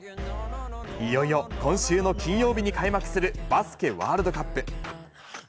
いよいよ今週の金曜日に開幕するバスケワールドカップ。